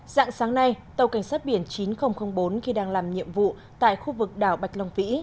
dạng sáng nay tàu cảnh sát biển chín nghìn bốn khi đang làm nhiệm vụ tại khu vực đảo bạch long vĩ